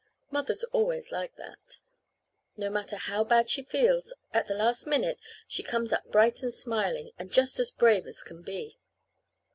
Mother's always like that. No matter how bad she feels, at the last minute she comes up bright and smiling, and just as brave as can be.